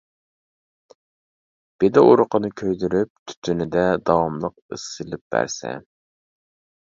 بېدە ئۇرۇقىنى كۆيدۈرۈپ، تۈتۈنىدە داۋاملىق ئىس سېلىپ بەرسە.